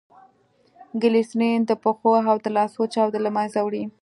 ګلیسرین دپښو او لاسو چاودي له منځه وړي.